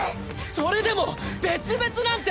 それでも別々なんて！